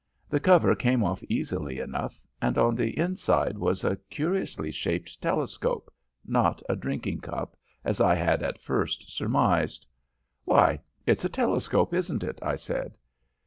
The cover came off easily enough, and on the inside was a curiously shaped telescope, not a drinking cup, as I had at first surmised. "'Why, it's a telescope, isn't it?' I said.